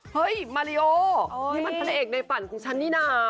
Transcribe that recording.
เฮ้ยมาริโอนี่มันพระเอกในฝันของฉันนี่นะ